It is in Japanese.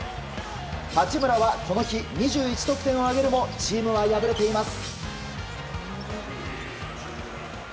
八村はこの日２１得点を挙げるもチームは敗れています。